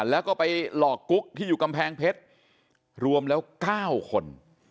แล้วก็ไปหลอกกุ๊กที่อยู่กำแพงเพชรรวมแล้ว๙คน